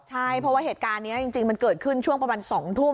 ใช่เพราะว่าเหตุการณ์นี้จริงมันเกิดขึ้นช่วงประมาณ๒ทุ่ม